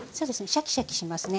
シャキシャキしますね。